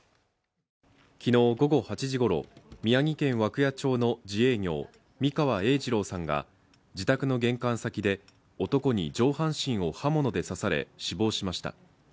昨日午後８時ごろ、宮城県涌谷町の自営業・三川栄治朗さんが自宅の玄関先で男に上半身を刃物で刺され、死亡しました。